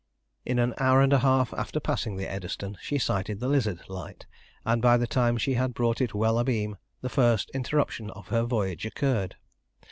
In an hour and a half after passing the Eddystone she sighted the Lizard Light, and by the time she had brought it well abeam the first interruption of her voyage occurred.